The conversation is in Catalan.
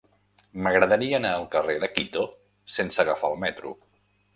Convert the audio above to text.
M'agradaria anar al carrer de Quito sense agafar el metro.